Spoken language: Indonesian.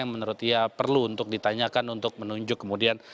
yang menurut ia perlu untuk ditanyakan untuk menunjuk kemudian